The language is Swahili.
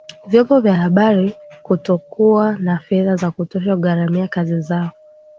vyombo vya habari kutokuwa na fedha za kutosha kugharimia kazi zao